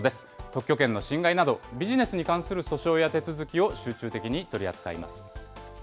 特許権の侵害など、ビジネスに関する訴訟や手続きを集中的に取り扱います。